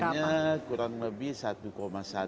angkanya kurang lebih satu satu